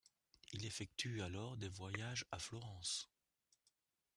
Il effectue alors des voyages à Florence.